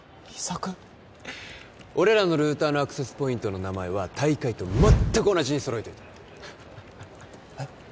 俺らのルーターのアクセスポイントの名前は大会と全く同じに揃えといたハハハえっ？